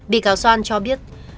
bị cáo soan cho biết